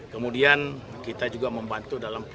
kemudian kita juga membantu penyitaan kapal